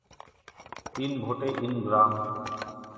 তিন ভোটে ইনগ্রাম।